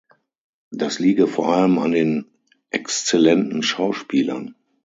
Das liege vor allem an den exzellenten Schauspielern.